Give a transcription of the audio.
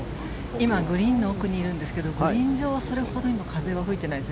今、グリーンの奥にいるんですがグリーン上はそれほど風は吹いていないです。